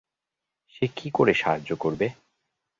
সে কি করে সাহায্য করবে?